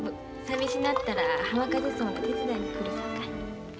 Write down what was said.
寂しなったら浜風荘の手伝いに来るさかい。